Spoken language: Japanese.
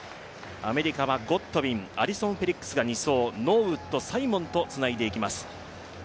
アメリカはゴッドウィンアリソン・フェリックスが２走ノーウッド、サイモンとつないでいきます。